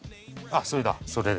あっそれだ。